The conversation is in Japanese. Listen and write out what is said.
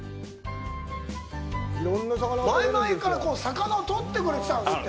前々から魚を取ってくれてたんですって。